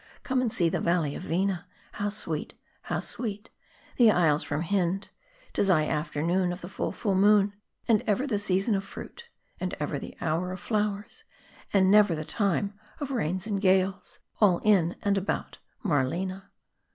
Come, and see the valley of Vina : How sweet, how sweet, the Isles from Hina : "Tis aye afternoon of the full, full moon, And ever the season of fruit, And ever the hour of flowers, And never the time of rains and gales, All in and about Marlena.